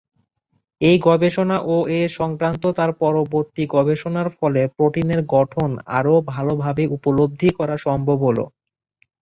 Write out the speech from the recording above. এই গবেষণা ও এ সংক্রান্ত তার পরবর্তি গবেষণার ফলে প্রোটিনের গঠন আরও ভালভাবে উপলব্ধি করা সম্ভব হল।